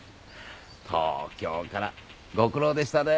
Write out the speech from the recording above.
東京からご苦労でしたね。